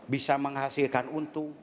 bisa menghasilkan untung